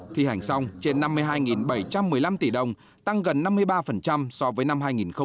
thi hành xong trên năm mươi hai bảy trăm một mươi năm tỷ đồng tăng gần năm mươi ba so với năm hai nghìn một mươi bảy